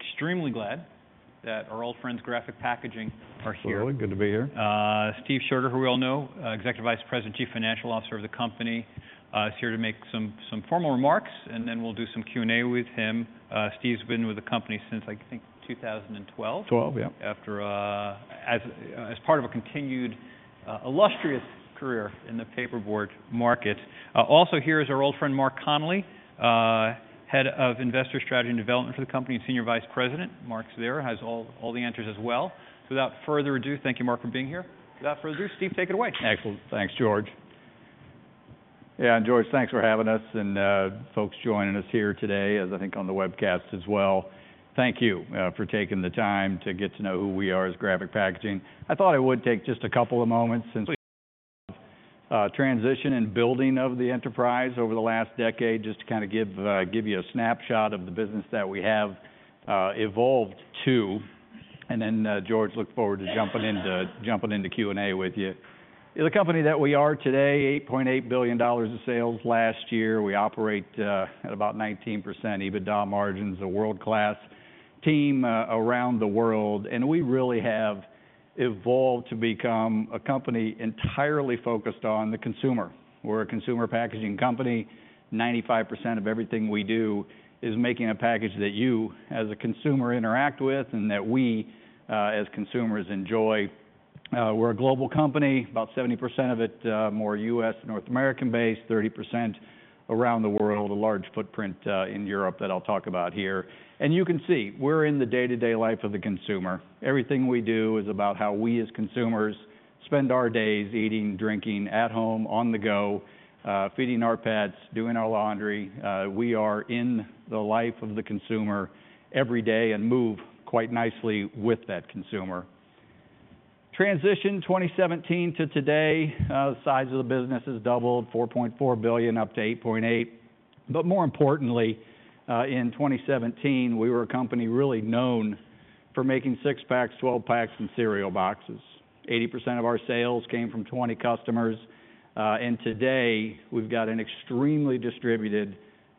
Extremely glad that our old friends Graphic Packaging are here. Good to be here. Steve Scherger, who we all know, Executive Vice President, Chief Financial Officer of the company, is here to make some formal remarks, and then we'll do some Q&A with him. Steve's been with the company since, I think, 2012. '12, yeah. After, as part of a continued, illustrious career in the paperboard market. Also here is our old friend Mark Connelly, Head of Investor Strategy and Development for the company and Senior Vice President. Mark's there, has all the answers as well. So without further ado, thank you, Mark, for being here. Without further ado, Steve, take it away. Excellent. Thanks, George. Yeah, and George, thanks for having us and, folks joining us here today, as I think on the webcast as well. Thank you for taking the time to get to know who we are as Graphic Packaging. I thought I would take just a couple of moments since transition and building of the enterprise over the last decade, just to kind of give you a snapshot of the business that we have evolved to. And then, George, look forward to jumping into Q&A with you. The company that we are today, $8.8 billion, of sales last year. We operate at about 19%, EBITDA margins, a world-class team around the world. And we really have evolved to become a company entirely focused on the consumer. We're a consumer packaging company. 95%, of everything we do is making a package that you, as a consumer, interact with and that we, as consumers, enjoy. We're a global company, about 70%, of it more U.S. and North American based, 30%, around the world, a large footprint in Europe that I'll talk about here. And you can see we're in the day-to-day life of the consumer. Everything we do is about how we, as consumers, spend our days eating, drinking at home, on the go, feeding our pets, doing our laundry. We are in the life of the consumer every day and move quite nicely with that consumer. Transition 2017 to today, the size of the business has doubled, $4.4 billion, up to $8.8 billion. But more importantly, in 2017, we were a company really known for making six-packs, 12-packs, and cereal boxes. 80%, of our sales came from 20 customers. And today we've got an extremely distributed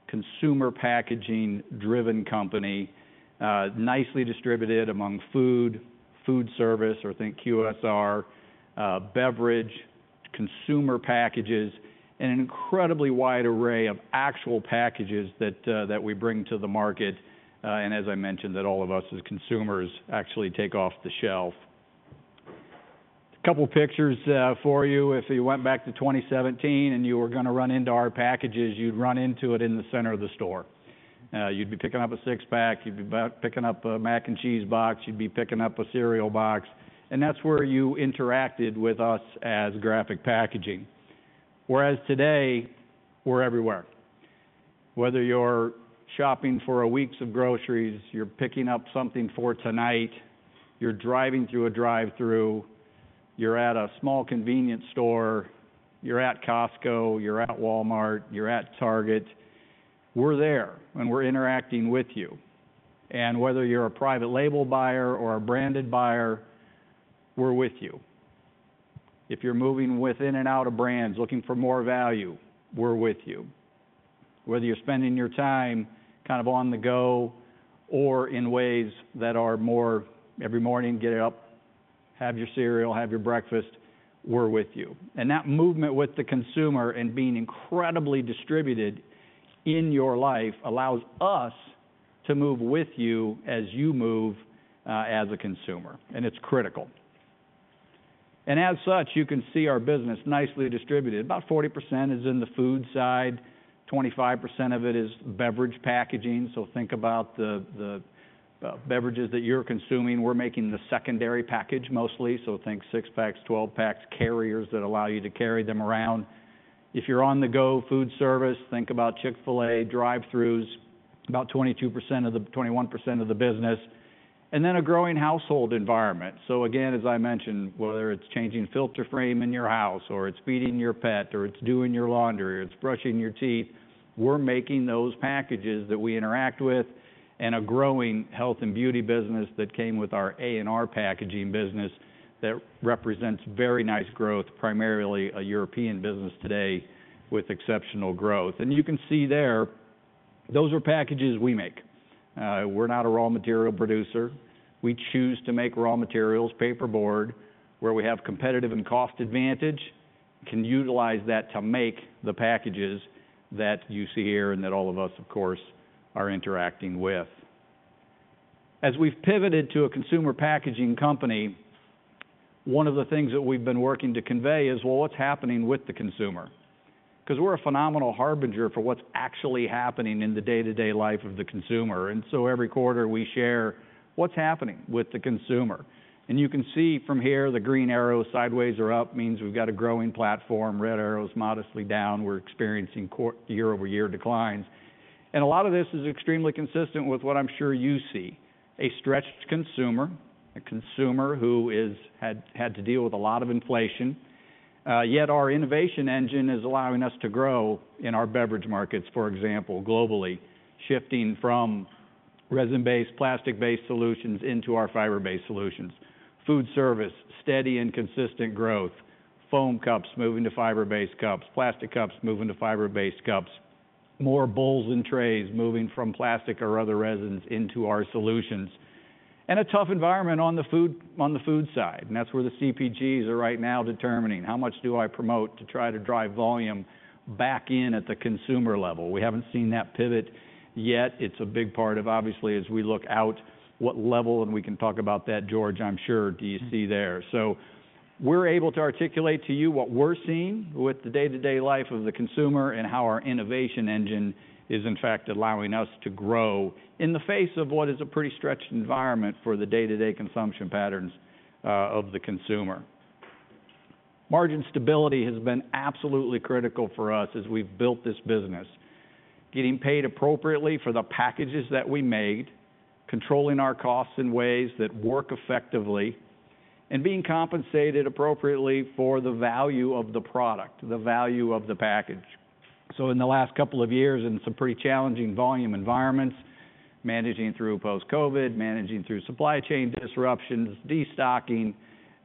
consumer packaging-driven company, nicely distributed among food, food service, or I think QSR, beverage, consumer packages, and an incredibly wide array of actual packages that we bring to the market. And as I mentioned, that all of us as consumers actually take off the shelf. A couple pictures for you. If you went back to 2017 and you were gonna run into our packages, you'd run into it in the center of the store. You'd be picking up a six-pack, you'd be picking up a mac and cheese box, you'd be picking up a cereal box. And that's where you interacted with us as Graphic Packaging. Whereas today we're everywhere. Whether you're shopping for a week's groceries, you're picking up something for tonight, you're driving through a drive-through, you're at a small convenience store, you're at Costco, you're at Walmart, you're at Target, we're there and we're interacting with you. And whether you're a private label buyer or a branded buyer, we're with you. If you're moving within and out of brands, looking for more value, we're with you. Whether you're spending your time kind of on the go or in ways that are more every morning, get up, have your cereal, have your breakfast, we're with you. And that movement with the consumer and being incredibly distributed in your life allows us to move with you as you move, as a consumer. And it's critical. And as such, you can see our business nicely distributed. About 40%, is in the food side, 25%, of it is beverage packaging. Think about the beverages that you're consuming. We're making the secondary package mostly. Think six-packs, 12-packs, carriers that allow you to carry them around. If you're on the go, food service, think about Chick-fil-A, drive-throughs, about 22% of the, 21% of the business. Then a growing household environment. Again, as I mentioned, whether it's changing filter frame in your house or it's feeding your pet or it's doing your laundry or it's brushing your teeth, we're making those packages that we interact with and a growing health and beauty business that came with our AR Packaging business that represents very nice growth, primarily a European business today with exceptional growth. You can see there, those are packages we make. We're not a raw material producer. We choose to make raw materials, paperboard, where we have competitive and cost advantage, can utilize that to make the packages that you see here and that all of us, of course, are interacting with. As we've pivoted to a consumer packaging company, one of the things that we've been working to convey is, well, what's happening with the consumer? 'Cause we're a phenomenal harbinger for what's actually happening in the day-to-day life of the consumer. And so every quarter we share what's happening with the consumer. And you can see from here, the green arrows sideways are up, means we've got a growing platform. Red arrows modestly down, we're experiencing year-over-year declines. And a lot of this is extremely consistent with what I'm sure you see. A stretched consumer, a consumer who has had to deal with a lot of inflation. yet our innovation engine is allowing us to grow in our beverage markets, for example, globally, shifting from resin-based, plastic-based solutions into our fiber-based solutions. Food service, steady and consistent growth. Foam cups moving to fiber-based cups, plastic cups moving to fiber-based cups, more bowls and trays moving from plastic or other resins into our solutions. And a tough environment on the food, on the food side. And that's where the CPGs are right now determining how much do I promote to try to drive volume back in at the consumer level. We haven't seen that pivot yet. It's a big part of, obviously, as we look out what level, and we can talk about that, George, I'm sure, do you see there. We're able to articulate to you what we're seeing with the day-to-day life of the consumer and how our innovation engine is, in fact, allowing us to grow in the face of what is a pretty stretched environment for the day-to-day consumption patterns of the consumer. Margin stability has been absolutely critical for us as we've built this business. Getting paid appropriately for the packages that we made, controlling our costs in ways that work effectively, and being compensated appropriately for the value of the product, the value of the package. In the last couple of years and some pretty challenging volume environments, managing through post-COVID, managing through supply chain disruptions, destocking,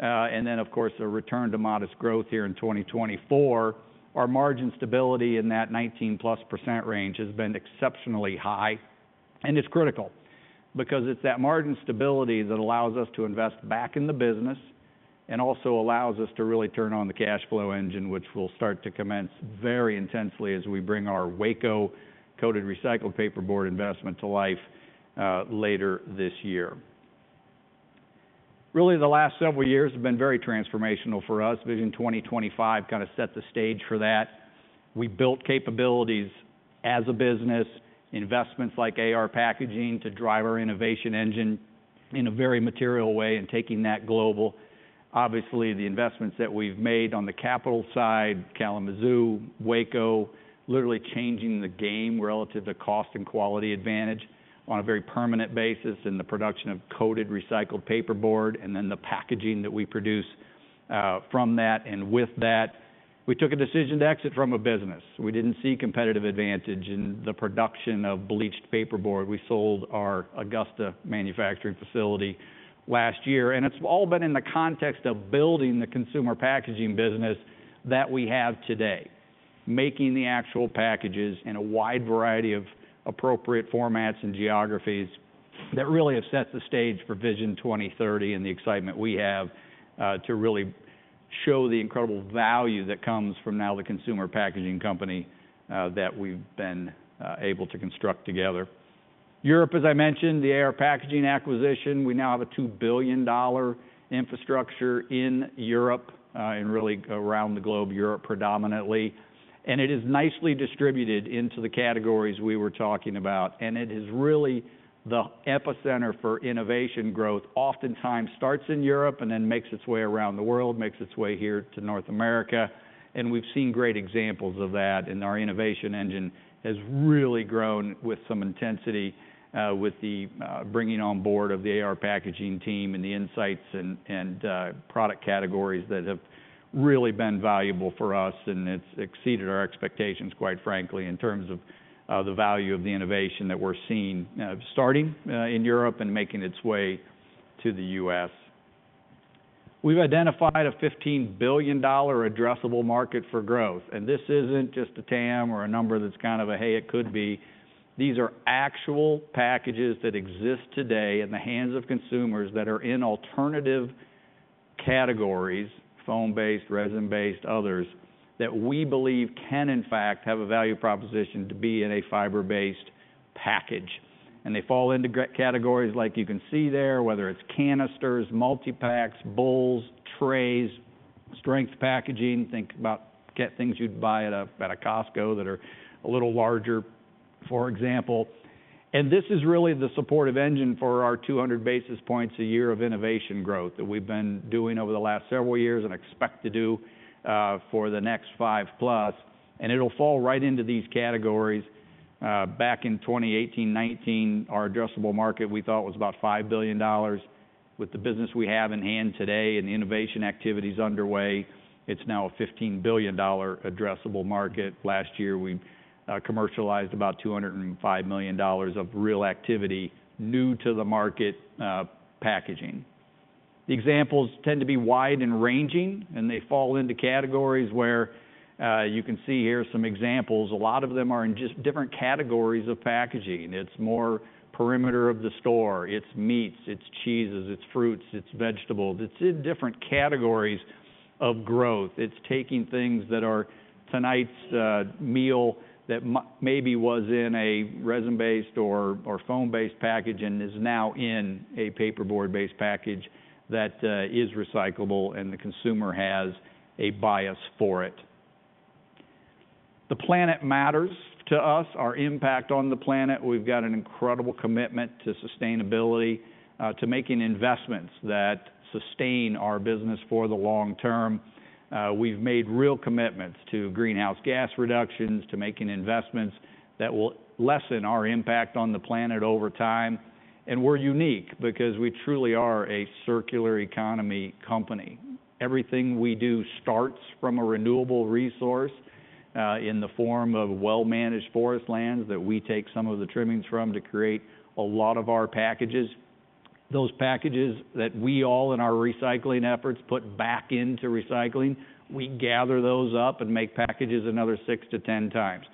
and then, of course, a return to modest growth here in 2024, our margin stability in that 19-plus% range has been exceptionally high. It's critical because it's that margin stability that allows us to invest back in the business and also allows us to really turn on the cash flow engine, which we'll start to commence very intensely as we bring our Waco coated recycled paperboard investment to life, later this year. Really, the last several years have been very transformational for us. Vision 2025 kind of set the stage for that. We built capabilities as a business, investments like AR Packaging to drive our innovation engine in a very material way and taking that global. Obviously, the investments that we've made on the capital side, Kalamazoo, Waco, literally changing the game relative to cost and quality advantage on a very permanent basis in the production of coated recycled paperboard and then the packaging that we produce, from that. With that, we took a decision to exit from a business. We didn't see competitive advantage in the production of bleached paperboard. We sold our Augusta manufacturing facility last year, and it's all been in the context of building the consumer packaging business that we have today, making the actual packages in a wide variety of appropriate formats and geographies that really have set the stage for Vision 2030 and the excitement we have, to really show the incredible value that comes from now the consumer packaging company, that we've been, able to construct together. Europe, as I mentioned, the AR Packaging acquisition, we now have a $2 billion infrastructure in Europe, and really around the globe, Europe predominantly. And it is nicely distributed into the categories we were talking about. And it is really the epicenter for innovation growth, oftentimes starts in Europe and then makes its way around the world, makes its way here to North America. And we've seen great examples of that. And our innovation engine has really grown with some intensity, with the bringing on board of the AR Packaging team and the insights and product categories that have really been valuable for us. And it's exceeded our expectations, quite frankly, in terms of the value of the innovation that we're seeing, starting in Europe and making its way to the U.S. We've identified a $15 billion addressable market for growth. And this isn't just a TAM or a number that's kind of a, "Hey, it could be." These are actual packages that exist today in the hands of consumers that are in alternative categories, foam-based, resin-based, others that we believe can, in fact, have a value proposition to be in a fiber-based package. And they fall into categories like you can see there, whether it's canisters, multi-packs, bowls, trays, strength packaging. Think about things you'd buy at a, at a Costco that are a little larger, for example, and this is really the supportive engine for our 200 basis points a year of innovation growth that we've been doing over the last several years and expect to do for the next five plus, and it'll fall right into these categories. Back in 2018, 2019, our addressable market, we thought was about $5 billion. With the business we have in hand today and the innovation activities underway, it's now a $15 billion addressable market. Last year we commercialized about $205 million of real activity new to the market packaging. The examples tend to be wide and ranging, and they fall into categories where you can see here some examples. A lot of them are in just different categories of packaging. It's more perimeter of the store. It's meats, it's cheeses, it's fruits, it's vegetables. It's in different categories of growth. It's taking things that are tonight's meal that maybe was in a resin-based or foam-based package and is now in a paperboard-based package that is recyclable and the consumer has a bias for it. The planet matters to us, our impact on the planet. We've got an incredible commitment to sustainability, to making investments that sustain our business for the long term. We've made real commitments to greenhouse gas reductions, to making investments that will lessen our impact on the planet over time, and we're unique because we truly are a circular economy company. Everything we do starts from a renewable resource, in the form of well-managed forest lands that we take some of the trimmings from to create a lot of our packages. Those packages that we all, in our recycling efforts, put back into recycling. We gather those up and make packages another six to ten times.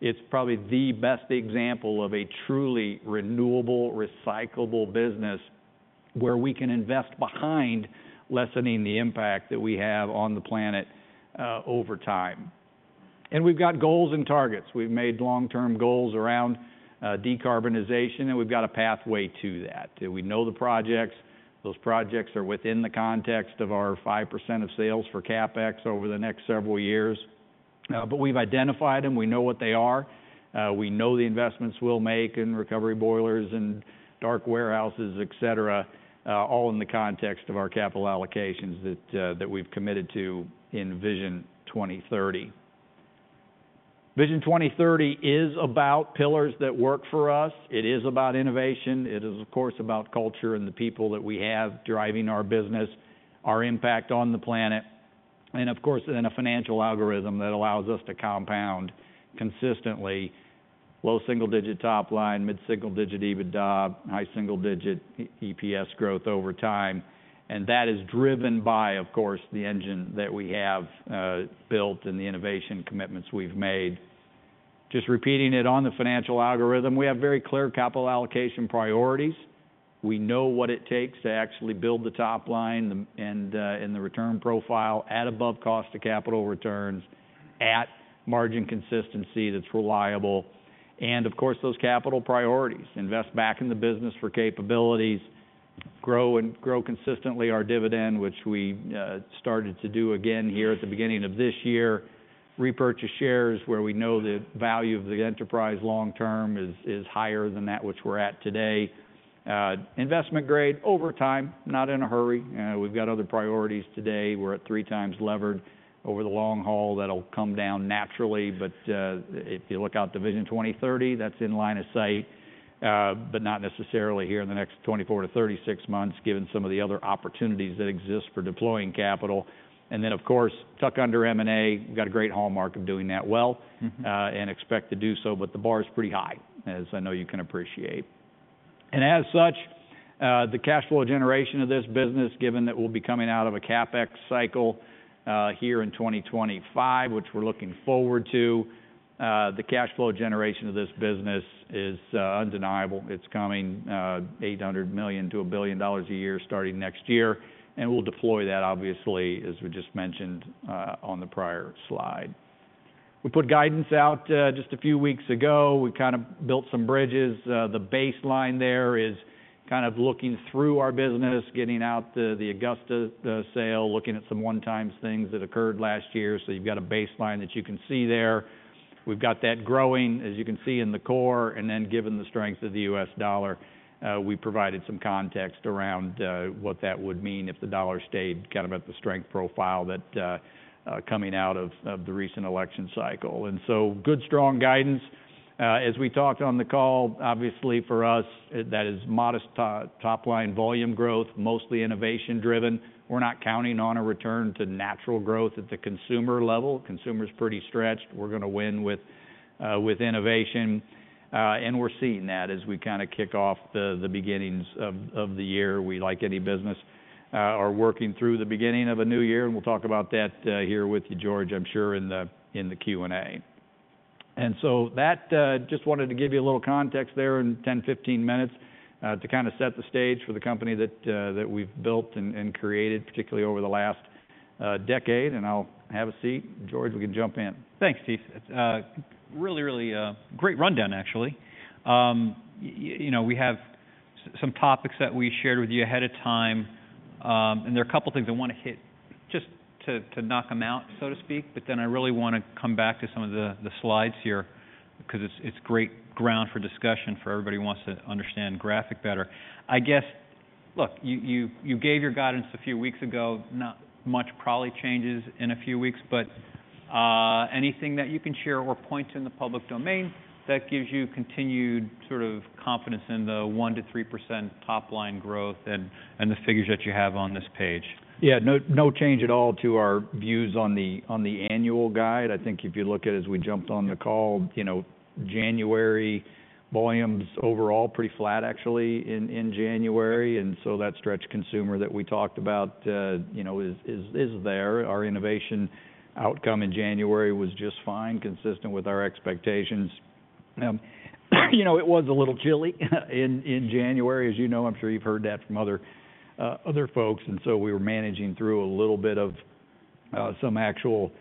It's probably the best example of a truly renewable, recyclable business where we can invest behind lessening the impact that we have on the planet, over time. We've got goals and targets. We've made long-term goals around decarbonization, and we've got a pathway to that. We know the projects. Those projects are within the context of our 5% of sales for CapEx over the next several years, but we've identified them. We know what they are. We know the investments we'll make in recovery boilers and bark warehouses, et cetera, all in the context of our capital allocations that we've committed to in Vision 2030. Vision 2030 is about pillars that work for us. It is about innovation. It is, of course, about culture and the people that we have driving our business, our impact on the planet, and of course, then a financial algorithm that allows us to compound consistently. Low single-digit top line, mid-single-digit EBITDA, high single-digit EPS growth over time. And that is driven by, of course, the engine that we have, built and the innovation commitments we've made. Just repeating it on the financial algorithm, we have very clear capital allocation priorities. We know what it takes to actually build the top line and the return profile at above cost of capital returns at margin consistency that's reliable. And of course, those capital priorities, invest back in the business for capabilities, grow and grow consistently our dividend, which we started to do again here at the beginning of this year, repurchase shares where we know the value of the enterprise long term is higher than that which we're at today. Investment grade over time, not in a hurry. We've got other priorities today. We're at three times levered over the long haul that'll come down naturally. But if you look out to Vision 2030, that's in line of sight, but not necessarily here in the next 24-36 months, given some of the other opportunities that exist for deploying capital. And then, of course, tuck-in M&A, we've got a great hallmark of doing that well, and expect to do so, but the bar is pretty high, as I know you can appreciate. And as such, the cash flow generation of this business, given that we'll be coming out of a CapEx cycle here in 2025, which we're looking forward to, the cash flow generation of this business is undeniable. It's coming $800 million-$1 billion a year starting next year. And we'll deploy that, obviously, as we just mentioned, on the prior slide. We put guidance out just a few weeks ago. We kind of built some bridges. The baseline there is kind of looking through our business, getting out the Augusta sale, looking at some one-time things that occurred last year. So you've got a baseline that you can see there. We've got that growing, as you can see in the core. And then given the strength of the U.S. Dollar, we provided some context around what that would mean if the dollar stayed kind of at the strength profile that coming out of the recent election cycle. And so good, strong guidance. As we talked on the call, obviously for us, that is modest top line volume growth, mostly innovation driven. We're not counting on a return to natural growth at the consumer level. Consumer's pretty stretched. We're going to win with innovation. And we're seeing that as we kind of kick off the beginnings of the year. We, like any business, are working through the beginning of a new year. And we'll talk about that here with you, George, I'm sure, in the Q&A. So that just wanted to give you a little context there in 10, 15 minutes, to kind of set the stage for the company that we've built and created, particularly over the last decade. I'll have a seat. George, we can jump in. Thanks, Steve. It's really, really great rundown, actually. You know, we have some topics that we shared with you ahead of time. There are a couple of things I want to hit just to knock them out, so to speak. But then I really want to come back to some of the slides here because it's great ground for discussion for everybody who wants to understand Graphic better. I guess, look, you gave your guidance a few weeks ago, not much probably changes in a few weeks, but anything that you can share or point to in the public domain that gives you continued sort of confidence in the 1%-3% top line growth and the figures that you have on this page? Yeah, no change at all to our views on the annual guide. I think if you look at, as we jumped on the call, you know, January volumes overall pretty flat, actually, in January. And so that stretch consumer that we talked about, you know, is there. Our innovation outcome in January was just fine, consistent with our expectations. You know, it was a little chilly in January, as you know. I'm sure you've heard that from other folks. We were managing through a little bit of some actual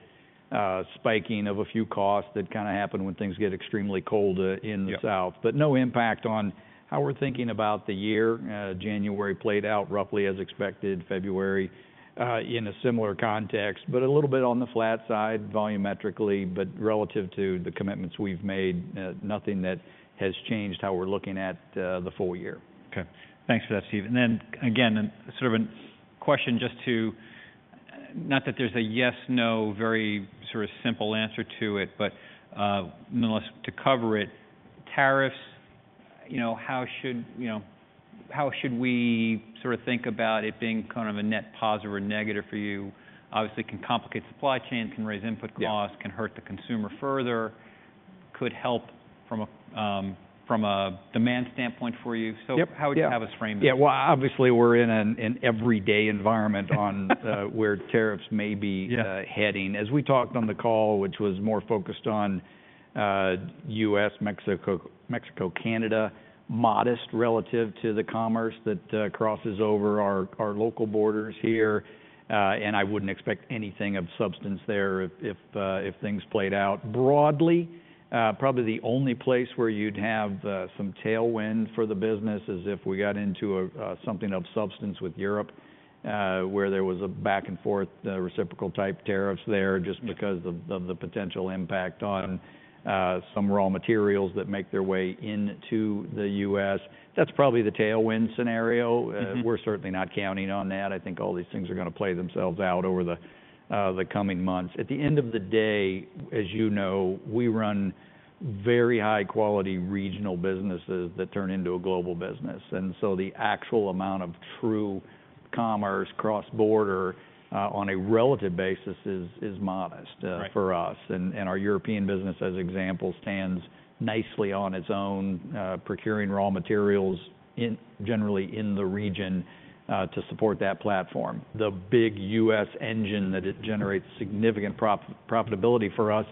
spiking of a few costs that kind of happen when things get extremely cold in the south. No impact on how we're thinking about the year. January played out roughly as expected. February in a similar context, but a little bit on the flat side volumetrically, but relative to the commitments we've made, nothing that has changed how we're looking at the full year. Okay. Thanks for that, Steve. Then again, sort of a question just to not that there's a yes, no, very sort of simple answer to it, but nonetheless to cover it, tariffs, you know, how should, you know, how should we sort of think about it being kind of a net positive or negative for you? Obviously, it can complicate supply chain, can raise input costs, can hurt the consumer further, could help from a demand standpoint for you. So how would you have us frame that? Yeah, well, obviously we're in an everyday environment where tariffs may be heading. As we talked on the call, which was more focused on U.S., Mexico, Canada, modest relative to the commerce that crosses over our local borders here. And I wouldn't expect anything of substance there if things played out broadly. Probably the only place where you'd have some tailwind for the business is if we got into something of substance with Europe, where there was a back and forth, reciprocal type tariffs there just because of the potential impact on some raw materials that make their way into the U.S. That's probably the tailwind scenario. We're certainly not counting on that. I think all these things are going to play themselves out over the coming months. At the end of the day, as you know, we run very high quality regional businesses that turn into a global business. And so the actual amount of true commerce cross border, on a relative basis is modest, for us. And our European business, as example, stands nicely on its own, procuring raw materials generally in the region, to support that platform. The big U.S. engine that it generates significant profitability for us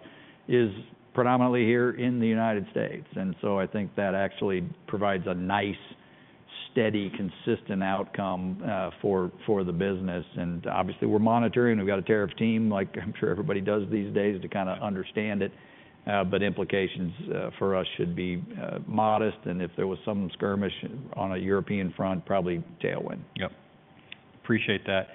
is predominantly here in the United States. And so I think that actually provides a nice, steady, consistent outcome, for the business. And obviously we're monitoring. We've got a tariff team, like I'm sure everybody does these days to kind of understand it. But implications, for us should be modest. If there was some skirmish on a European front, probably tailwind. Yep. Appreciate that.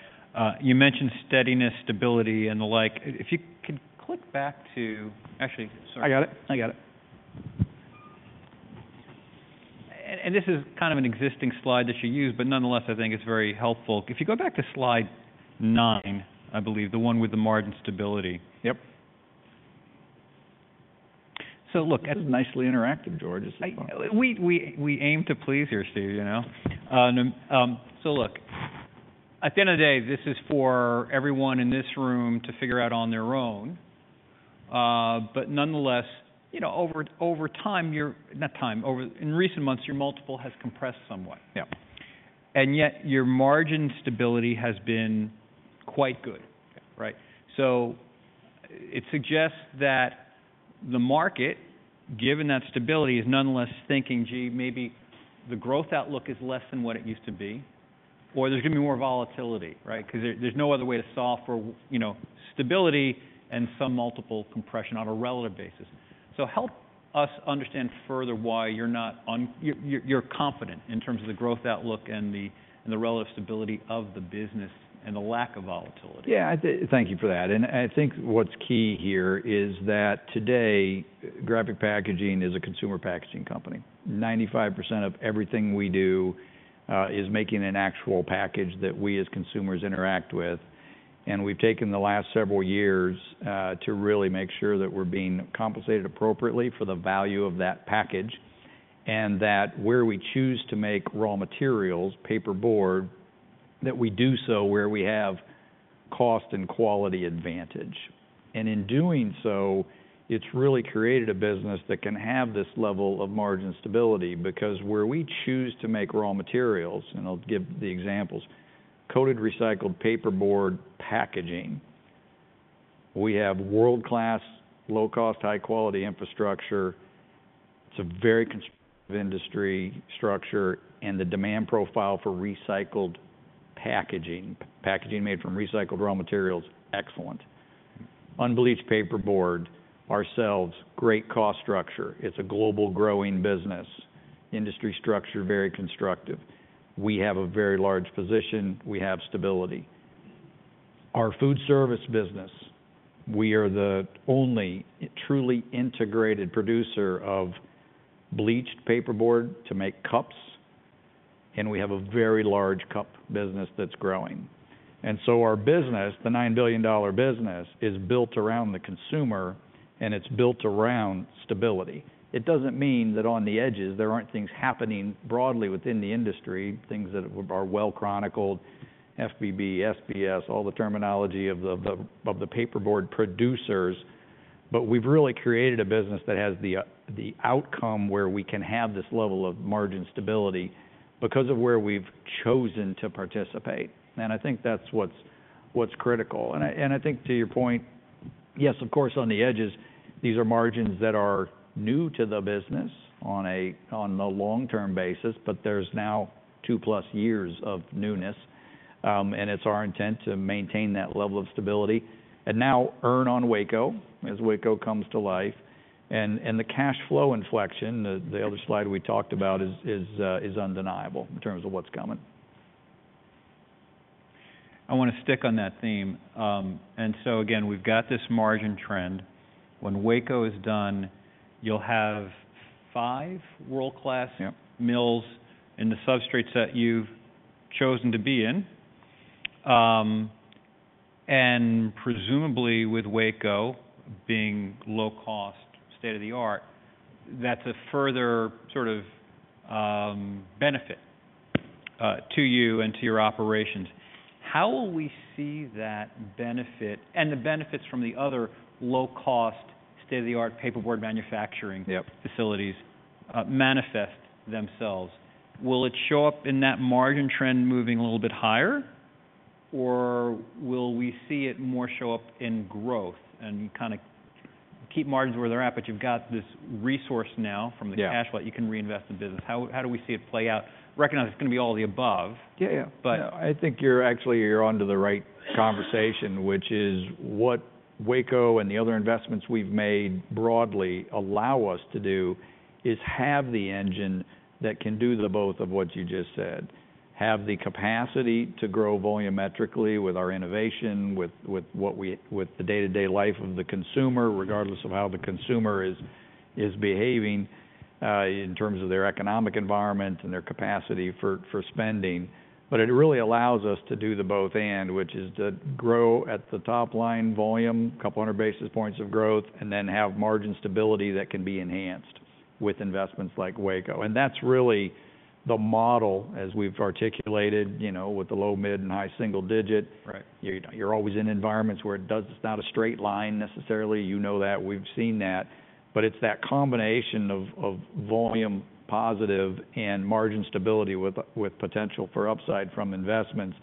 You mentioned steadiness, stability, and the like. If you can click back to, actually, sorry. I got it. And this is kind of an existing slide that you use, but nonetheless, I think it's very helpful. If you go back to slide nine, I believe the one with the margin stability. Yep. So look. Nicely interactive, George. It's fine. We aim to please here, Steve, you know? So look, at the end of the day, this is for everyone in this room to figure out on their own. But nonetheless, you know, over time, in recent months, your multiple has compressed somewhat. Yeah. And yet your margin stability has been quite good, right? So it suggests that the market, given that stability, is nonetheless thinking, gee, maybe the growth outlook is less than what it used to be, or there's going to be more volatility, right? Because there's no other way to solve for, you know, stability and some multiple compression on a relative basis. So help us understand further why you're confident in terms of the growth outlook and the relative stability of the business and the lack of volatility. Yeah. I think. Thank you for that. And I think what's key here is that today, Graphic Packaging is a consumer packaging company. 95% of everything we do is making an actual package that we as consumers interact with. And we've taken the last several years to really make sure that we're being compensated appropriately for the value of that package and that where we choose to make raw materials, paperboard, that we do so where we have cost and quality advantage. And in doing so, it's really created a business that can have this level of margin stability because where we choose to make raw materials, and I'll give the examples, coated recycled paperboard packaging, we have world-class, low-cost, high-quality infrastructure. It's a very constructive industry structure and the demand profile for recycled packaging, packaging made from recycled raw materials, excellent. Unbleached paperboard ourselves, great cost structure. It's a global growing business. Industry structure, very constructive. We have a very large position. We have stability. Our food service business, we are the only truly integrated producer of bleached paperboard to make cups, and we have a very large cup business that's growing. And so our business, the $9 billion business, is built around the consumer, and it's built around stability. It doesn't mean that on the edges, there aren't things happening broadly within the industry, things that are well chronicled, FBB, SBS, all the terminology of the paperboard producers. But we've really created a business that has the outcome where we can have this level of margin stability because of where we've chosen to participate. And I think that's what's critical. And I think to your point, yes, of course, on the edges, these are margins that are new to the business on the long-term basis, but there's now two plus years of newness. It's our intent to maintain that level of stability and now earn on Waco as Waco comes to life. The cash flow inflection, the other slide we talked about, is undeniable in terms of what's coming. I want to stick on that theme. So again, we've got this margin trend. When Waco is done, you'll have five world-class mills in the substrates that you've chosen to be in. Presumably with Waco being low-cost, state-of-the-art, that's a further sort of benefit to you and to your operations. How will we see that benefit and the benefits from the other low-cost, state-of-the-art paperboard manufacturing facilities manifest themselves? Will it show up in that margin trend moving a little bit higher, or will we see it more show up in growth and kind of keep margins where they're at, but you've got this resource now from the cash flow that you can reinvest in business? How, how do we see it play out? Recognize it's going to be all the above. Yeah, yeah. But I think you're actually onto the right conversation, which is what Waco and the other investments we've made broadly allow us to do is have the engine that can do the both of what you just said, have the capacity to grow volumetrically with our innovation, with what we with the day-to-day life of the consumer, regardless of how the consumer is behaving, in terms of their economic environment and their capacity for spending. But it really allows us to do the both end, which is to grow at the top line volume, a couple hundred basis points of growth, and then have margin stability that can be enhanced with investments like Waco. And that's really the model, as we've articulated, you know, with the low, mid, and high single digit. Right. You're always in environments where it does. It's not a straight line necessarily. You know that we've seen that, but it's that combination of volume positive and margin stability with potential for upside from investments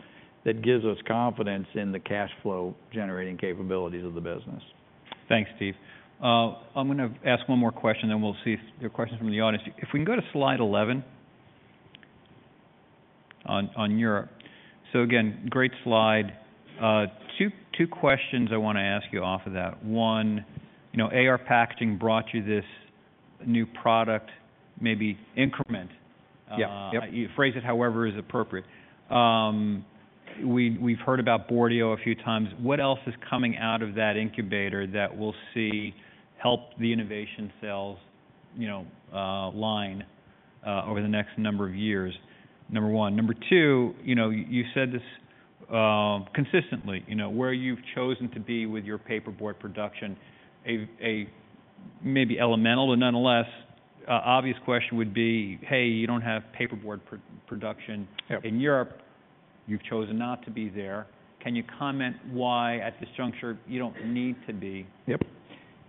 that gives us confidence in the cash flow generating capabilities of the business. Thanks, Steve. I'm going to ask one more question, then we'll see if there are questions from the audience. If we can go to slide 11 on Europe. So again, great slide. Two questions I want to ask you off of that. One, you know, AR Packaging brought you this new product, maybe incremental. You phrase it however is appropriate. We, we've heard about Boardio a few times. What else is coming out of that incubator that we'll see help the innovation sales, you know, line, over the next number of years? Number one. Number two, you know, you said this consistently, you know, where you've chosen to be with your paperboard production. A maybe elemental, but nonetheless, obvious question would be, hey, you don't have paperboard production in Europe. You've chosen not to be there. Can you comment why at this juncture you don't need to be? Yep.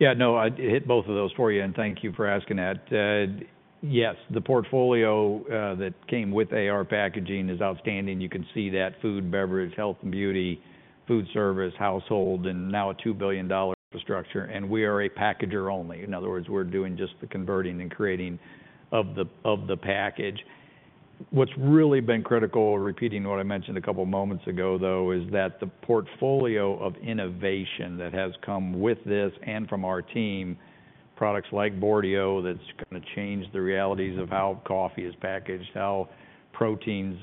Yeah, no, I hit both of those for you. And thank you for asking that. Yes, the portfolio that came with AR Packaging is outstanding. You can see that food, beverage, health and beauty, food service, household, and now a $2 billion infrastructure. And we are a packager only. In other words, we're doing just the converting and creating of the package. What's really been critical, repeating what I mentioned a couple moments ago, though, is that the portfolio of innovation that has come with this and from our team, products like Boardio, that's going to change the realities of how coffee is packaged, how proteins,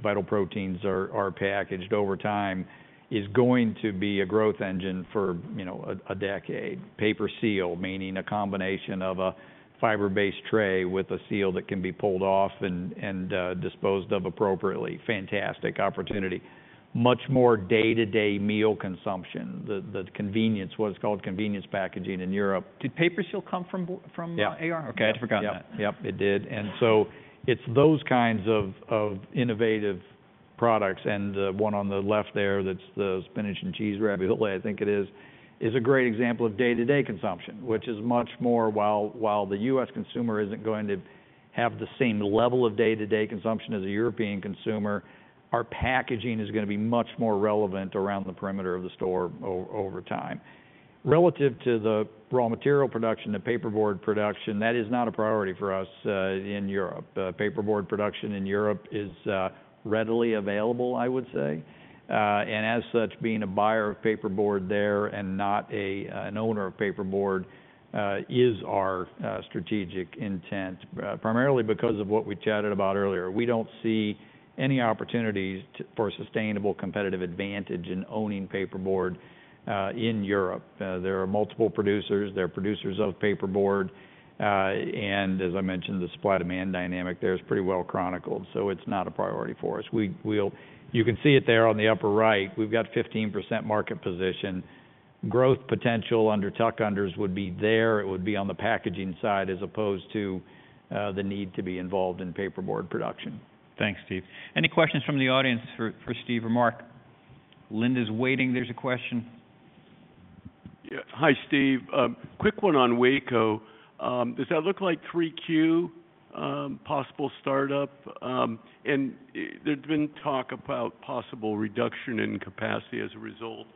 Vital Proteins are packaged over time is going to be a growth engine for, you know, a decade. PaperSeal, meaning a combination of a fiber-based tray with a seal that can be pulled off and disposed of appropriately. Fantastic opportunity. Much more day-to-day meal consumption, the convenience, what's called convenience packaging in Europe. Did PaperSeal come from AR? Yeah. Okay. I forgot that. Yep. It did. And so it's those kinds of innovative products. And the one on the left there, that's the spinach and cheese ravioli, I think it is, is a great example of day-to-day consumption, which is much more while the U.S. consumer isn't going to have the same level of day-to-day consumption as a European consumer. Our packaging is going to be much more relevant around the perimeter of the store over time. Relative to the raw material production, the paperboard production, that is not a priority for us in Europe. Paperboard production in Europe is readily available, I would say. As such, being a buyer of paperboard there and not an owner of paperboard is our strategic intent, primarily because of what we chatted about earlier. We don't see any opportunities for sustainable competitive advantage in owning paperboard in Europe. There are multiple producers, there are producers of paperboard. And as I mentioned, the supply-demand dynamic there is pretty well chronicled. So it's not a priority for us. We, we'll, you can see it there on the upper right. We've got 15% market position. Growth potential under Tuck Under's would be there. It would be on the packaging side as opposed to, the need to be involved in paperboard production. Thanks, Steve. Any questions from the audience for, for Steve or Mark? Linda's waiting. There's a question. Yeah. Hi, Steve. Quick one on Waco. Does that look like 3Q possible startup? And there's been talk about possible reduction in capacity as a result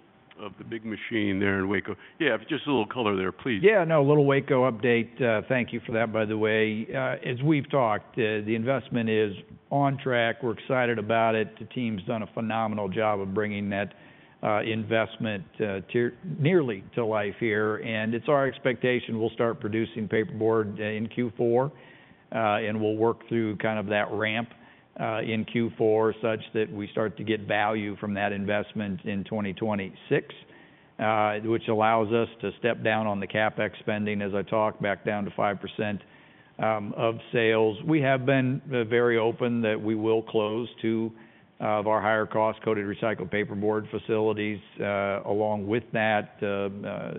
of the big machine there in Waco. Yeah, just a little color there, please. Yeah, no, little Waco update. Thank you for that, by the way. As we've talked, the investment is on track. We're excited about it. The team's done a phenomenal job of bringing that investment to nearly to life here, and it's our expectation. We'll start producing paperboard in Q4, and we'll work through kind of that ramp in Q4 such that we start to get value from that investment in 2026, which allows us to step down on the CapEx spending as I talked back down to 5% of sales. We have been very open that we will close two of our higher cost coated recycled paperboard facilities, along with that,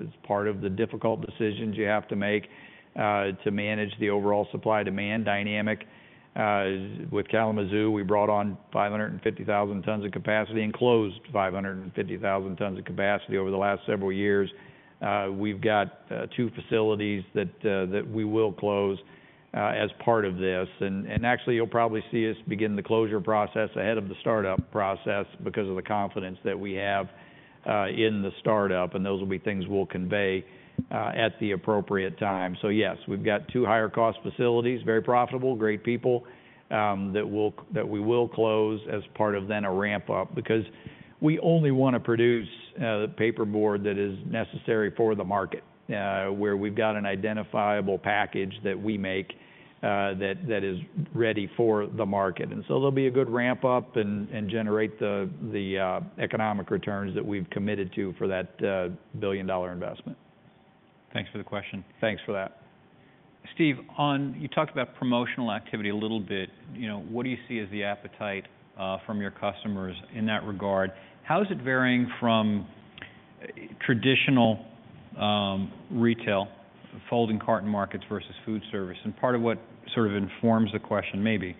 as part of the difficult decisions you have to make to manage the overall supply-demand dynamic. With Kalamazoo, we brought on 550,000 tons of capacity and closed 550,000 tons of capacity over the last several years. We've got two facilities that we will close as part of this. And actually, you'll probably see us begin the closure process ahead of the startup process because of the confidence that we have in the startup. And those will be things we'll convey at the appropriate time. So yes, we've got two higher cost facilities, very profitable, great people, that we will close as part of the ramp up because we only want to produce paperboard that is necessary for the market, where we've got an identifiable package that we make that is ready for the market. And so there'll be a good ramp up and generate the economic returns that we've committed to for that billion-dollar investment. Thanks for the question. Thanks for that. Steve, you talked about promotional activity a little bit. You know, what do you see as the appetite from your customers in that regard? How is it varying from traditional, retail folding carton markets versus food service? And part of what sort of informs the question maybe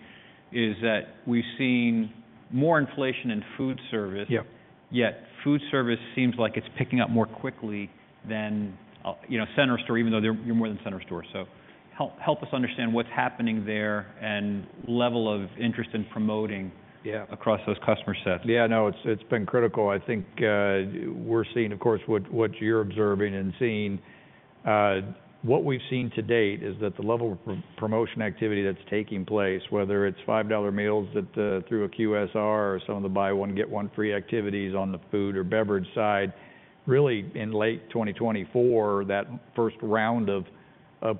is that we've seen more inflation in food service. Yep. Yet food service seems like it's picking up more quickly than, you know, center store, even though you're more than center store. So help us understand what's happening there and level of interest in promoting. Yeah. Across those customer sets. Yeah. No, it's been critical. I think, we're seeing, of course, what you're observing and seeing, what we've seen to date is that the level of promotion activity that's taking place, whether it's $5 meals that, through a QSR or some of the buy one get one free activities on the food or beverage side, really in late 2024, that first round of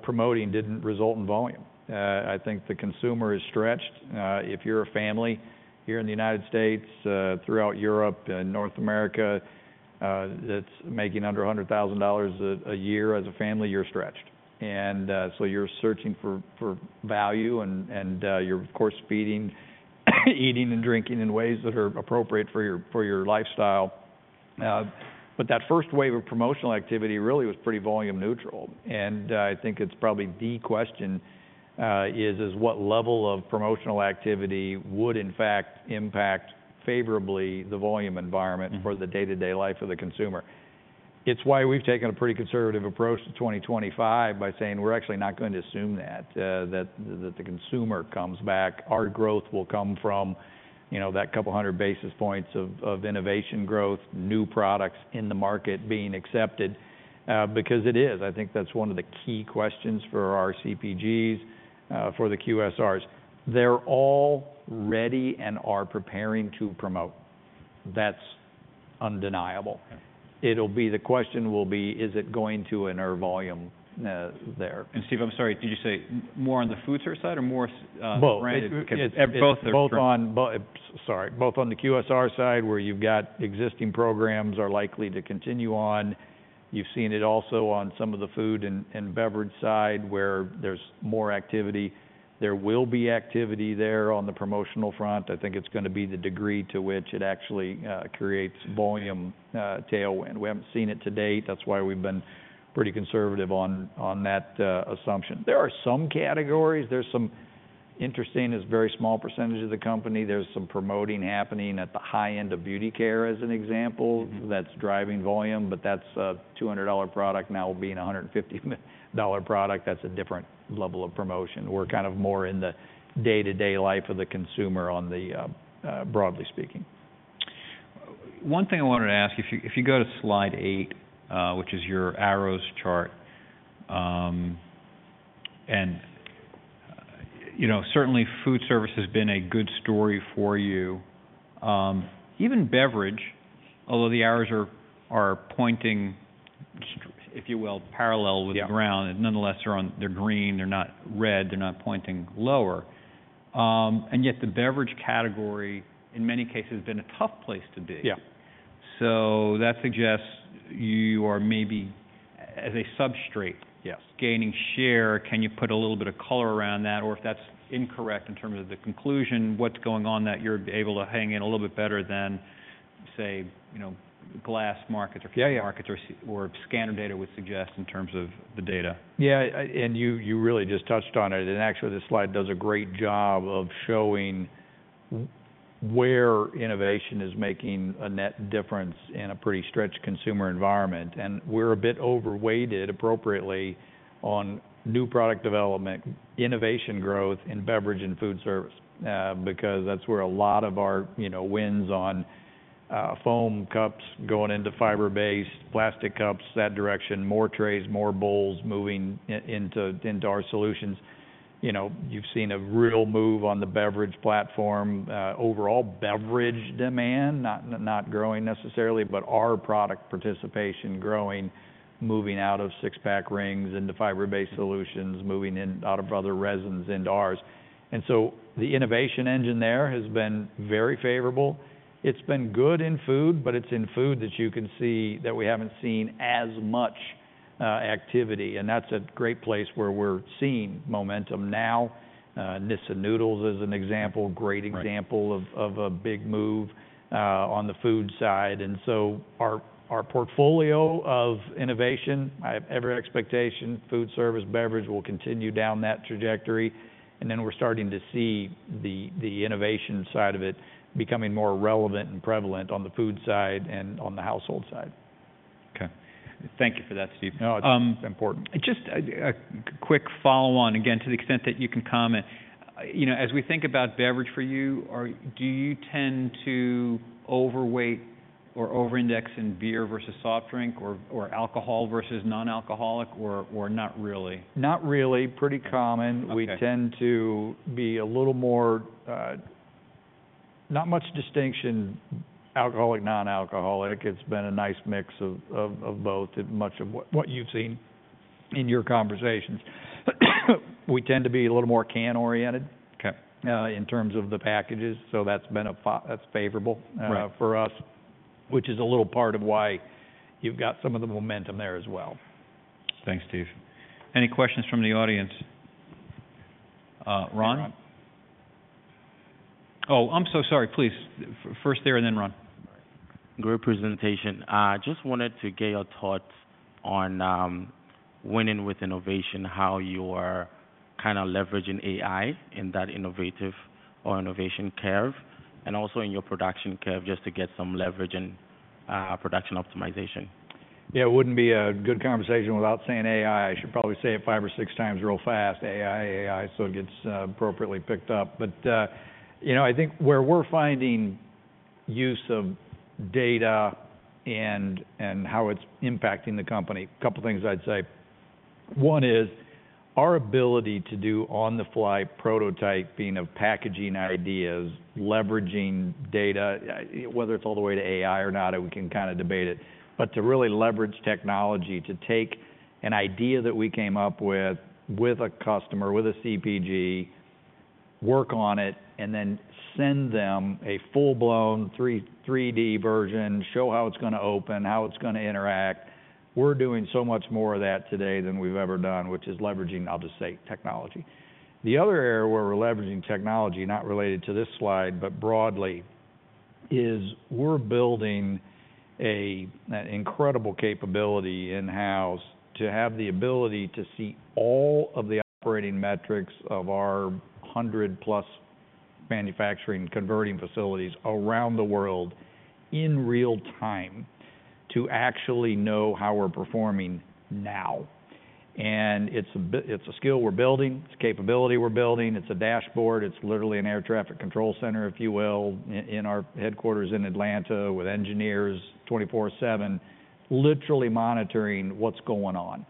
promoting didn't result in volume. I think the consumer is stretched. If you're a family here in the United States, throughout Europe and North America, that's making under a hundred thousand dollars a year as a family, you're stretched, so you're searching for value and you're of course feeding, eating and drinking in ways that are appropriate for your lifestyle, but that first wave of promotional activity really was pretty volume neutral. I think it's probably the question, what level of promotional activity would in fact impact favorably the volume environment for the day-to-day life of the consumer. It's why we've taken a pretty conservative approach to 2025 by saying we're actually not going to assume that the consumer comes back. Our growth will come from, you know, that couple hundred basis points of innovation growth, new products in the market being accepted. Because it is, I think that's one of the key questions for our CPGs, for the QSRs. They're all ready and are preparing to promote. That's undeniable. It'll be the question will be, is it going to inure to volume there? And Steve, I'm sorry, did you say more on the food service side or more branded? Both, both on, both, sorry, both on the QSR side where you've got existing programs are likely to continue on. You've seen it also on some of the food and beverage side where there's more activity. There will be activity there on the promotional front. I think it's going to be the degree to which it actually creates volume tailwind. We haven't seen it to date. That's why we've been pretty conservative on that assumption. There are some categories. There's some interesting, there's very small percentage of the company. There's some promoting happening at the high end of beauty care as an example that's driving volume, but that's a $200 product now being a $150 product. That's a different level of promotion. We're kind of more in the day-to-day life of the consumer on the, broadly speaking. One thing I wanted to ask you, if you go to slide eight, which is your arrows chart, and you know, certainly food service has been a good story for you. Even beverage, although the arrows are pointing, if you will, parallel with the ground, and nonetheless they're on, they're green, they're not red, they're not pointing lower. And yet the beverage category in many cases has been a tough place to be. Yeah. So that suggests you are maybe as a substrate. Yes. Gaining share. Can you put a little bit of color around that? Or if that's incorrect in terms of the conclusion, what's going on that you're able to hang in a little bit better than say, you know, glass markets or scanner data would suggest in terms of the data? Yeah. And you really just touched on it. And actually this slide does a great job of showing where innovation is making a net difference in a pretty stretched consumer environment. And we're a bit overweighted appropriately on new product development, innovation growth in beverage and food service, because that's where a lot of our, you know, wins on foam cups going into fiber-based plastic cups, that direction, more trays, more bowls moving into our solutions. You know, you've seen a real move on the beverage platform, overall beverage demand, not growing necessarily, but our product participation growing, moving out of six-pack rings into fiber-based solutions, moving out of other resins into ours. And so the innovation engine there has been very favorable. It's been good in food, but it's in food that you can see that we haven't seen as much activity. And that's a great place where we're seeing momentum now. Nissin Foods is an example, great example of a big move on the food side. And so our portfolio of innovation, I have every expectation food service, beverage will continue down that trajectory. And then we're starting to see the innovation side of it becoming more relevant and prevalent on the food side and on the household side. Okay. Thank you for that, Steve. No, it's important. Just a quick follow-on again, to the extent that you can comment, you know, as we think about beverage for you, or do you tend to overweight or over-index in beer versus soft drink or, or alcohol versus non-alcoholic or, or not really? Not really. Pretty common. We tend to be a little more, not much distinction, alcoholic, non-alcoholic. It's been a nice mix of, of, of both. Much of what, what you've seen in your conversations. We tend to be a little more can-oriented. Okay. In terms of the packages. So that's been a, that's favorable, for us, which is a little part of why you've got some of the momentum there as well. Thanks, Steve. Any questions from the audience? Ron? Oh, I'm so sorry. Please, first there and then Ron. Great presentation. Just wanted to get your thoughts on winning with innovation, how you are kind of leveraging AI in that innovative or innovation curve and also in your production curve just to get some leverage and production optimization. Yeah. It wouldn't be a good conversation without saying AI. I should probably say it five or six times real fast. AI, AI. So it gets appropriately picked up, but you know, I think where we're finding use of data and how it's impacting the company, a couple of things I'd say. One is our ability to do on-the-fly prototyping of packaging ideas, leveraging data, whether it's all the way to AI or not, we can kind of debate it, but to really leverage technology to take an idea that we came up with, with a customer, with a CPG, work on it, and then send them a full-blown 3D version, show how it's going to open, how it's going to interact. We're doing so much more of that today than we've ever done, which is leveraging, I'll just say, technology. The other area where we're leveraging technology, not related to this slide, but broadly, is we're building an incredible capability in-house to have the ability to see all of the operating metrics of our 100-plus manufacturing converting facilities around the world in real time to actually know how we're performing now. It's a skill we're building. It's a capability we're building. It's a dashboard. It's literally an air traffic control center, if you will, in our headquarters in Atlanta with engineers 24/7 literally monitoring what's going on,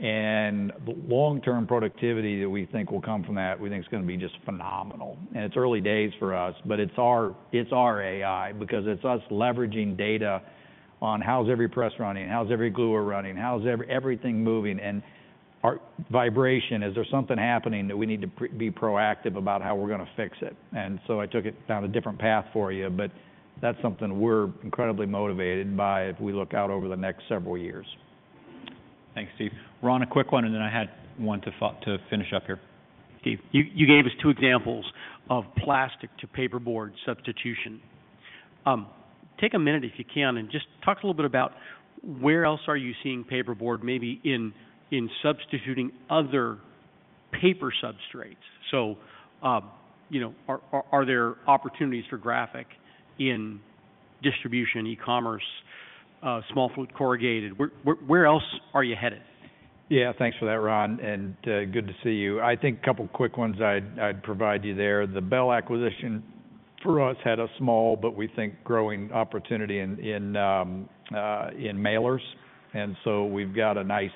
and the long-term productivity that we think will come from that, we think it's going to be just phenomenal, and it's early days for us, but it's our, it's our AI because it's us leveraging data on how's every press running, how's every glue running, how's everything moving, and our vibration is there's something happening that we need to be proactive about how we're going to fix it, and so I took it down a different path for you, but that's something we're incredibly motivated by if we look out over the next several years. Thanks, Steve. Ron, a quick one, and then I had one to finish up here. Steve, you gave us two examples of plastic to paperboard substitution. Take a minute if you can and just talk a little bit about where else are you seeing paperboard maybe in substituting other paper substrates. So, you know, are there opportunities for Graphic in distribution, e-commerce, small flute corrugated? Where else are you headed? Yeah. Thanks for that, Ron. And good to see you. I think a couple quick ones I'd provide you there. The Bell acquisition for us had a small, but we think growing opportunity in mailers. And so we've got a nice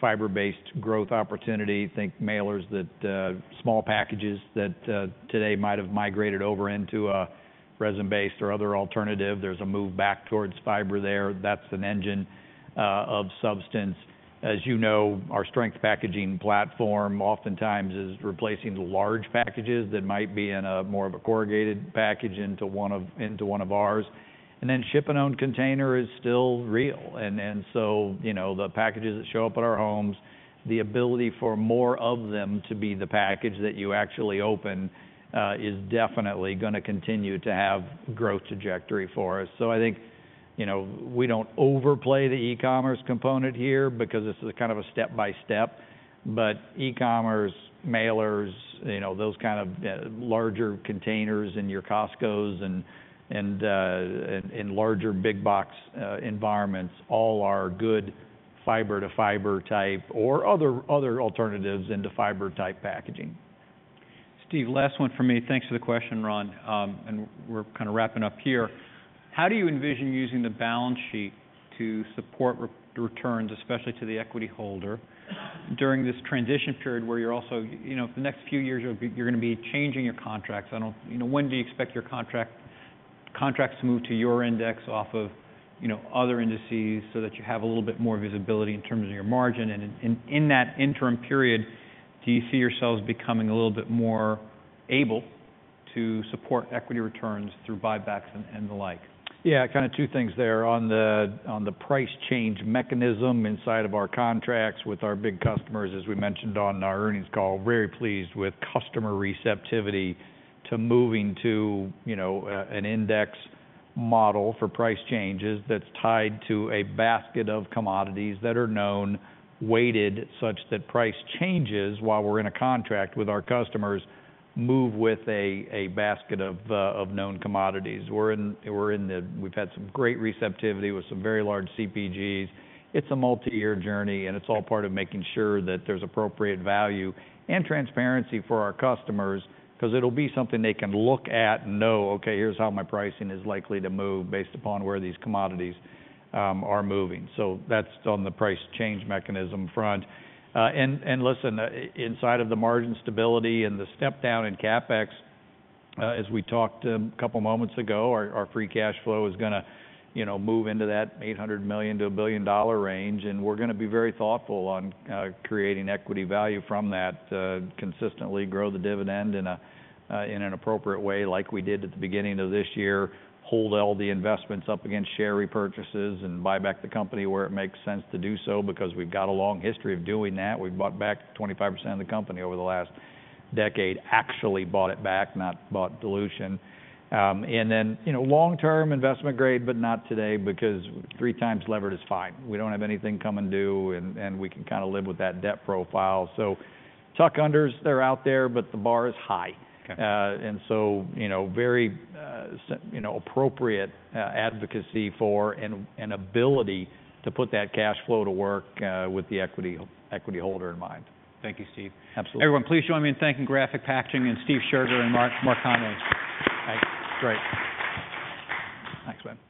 fiber-based growth opportunity. I think mailers that small packages that today might've migrated over into a resin-based or other alternative. There's a move back towards fiber there. That's an engine of substance. As you know, our sustainable packaging platform oftentimes is replacing the large packages that might be in more of a corrugated package into one of ours. And then ship-in-own container is still real. And so, you know, the packages that show up at our homes, the ability for more of them to be the package that you actually open, is definitely going to continue to have growth trajectory for us. So I think, you know, we don't overplay the e-commerce component here because this is kind of a step by step, but e-commerce, mailers, you know, those kind of larger containers and your Costcos and larger big box environments all are good fiber to fiber type or other alternatives into fiber type packaging. Steve's left it for me. Thanks for the question, Ron. and we're kind of wrapping up here. How do you envision using the balance sheet to support returns, especially to the equity holder during this transition period where you're also, you know, the next few years you're going to be changing your contracts? I don't, you know, when do you expect your contract, contracts to move to your index off of, you know, other indices so that you have a little bit more visibility in terms of your margin? And in, in that interim period, do you see yourselves becoming a little bit more able to support equity returns through buybacks and, and the like? Yeah. Kind of two things there on the price change mechanism inside of our contracts with our big customers, as we mentioned on our earnings call. Very pleased with customer receptivity to moving to, you know, an index model for price changes that's tied to a basket of commodities that are known, weighted such that price changes while we're in a contract with our customers move with a basket of known commodities. We've had some great receptivity with some very large CPGs. It's a multi-year journey and it's all part of making sure that there's appropriate value and transparency for our customers because it'll be something they can look at and know, okay, here's how my pricing is likely to move based upon where these commodities are moving. So that's on the price change mechanism front. Listen, inside of the margin stability and the step down in CapEx, as we talked a couple moments ago, our free cash flow is going to, you know, move into that $800 million-$1 billion range. We're going to be very thoughtful on creating equity value from that, consistently grow the dividend in an appropriate way like we did at the beginning of this year, hold all the investments up against share repurchases and buy back the company where it makes sense to do so because we've got a long history of doing that. We've bought back 25% of the company over the last decade, actually bought it back, not bought dilution. Then, you know, long-term investment grade, but not today because three times levered is fine. We don't have anything coming due, and we can kind of live with that debt profile. So tuck unders, they're out there, but the bar is high. And so, you know, very, you know, appropriate advocacy for and ability to put that cash flow to work, with the equity holder in mind. Thank you, Steve. Absolutely. Everyone, please join me in thanking Graphic Packaging and Steve Scherger and Mark Connelly. Thanks. Great. Thanks, man.